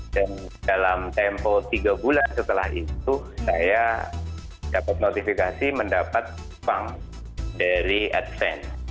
dan dalam tempo tiga bulan setelah itu saya dapat notifikasi mendapatkan uang dari adven